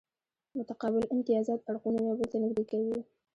متقابل امتیازات اړخونه یو بل ته نږدې کوي